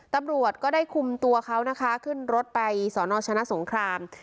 ตำรวจก็ได้คุมตัวเขานะคะขึ้นรถไปสอนอชนะสงคราม